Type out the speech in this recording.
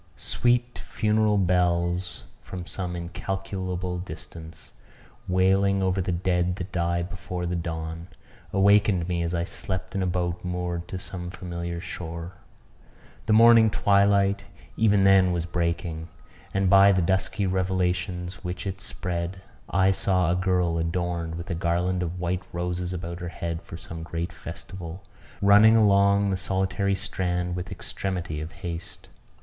Sweet funeral bells from some incalculable distance, wailing over the dead that die before the dawn, awakened me as I slept in a boat moored to some familiar shore. The morning twilight even then was breaking; and, by the dusky revelations which it spread, I saw a girl adorned with a garland of white roses about her head for some great festival, running along the solitary strand with extremity of haste.